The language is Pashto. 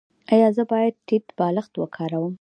ایا زه باید ټیټ بالښت وکاروم؟